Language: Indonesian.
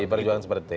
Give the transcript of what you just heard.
tidak seperti itu